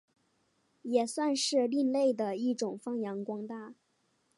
也算是另类的一种发扬光大。